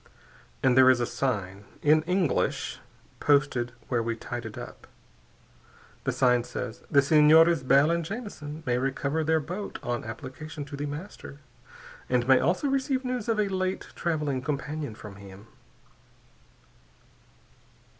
"And there is a sign, in English, posted where we tied it up. The sign says, '_The Senores Bell and Jamison may recover their boat on application to The Master, and may also receive news of a late traveling companion from him.